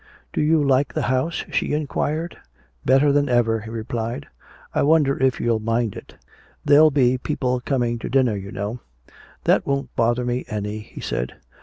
Do you like the house?" she inquired. "Better than ever," he replied. "I wonder if you'll mind it. There'll be people coming to dinner, you know " "That won't bother me any," he said.